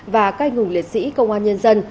và cai ngùng liệt sĩ công an nhân dân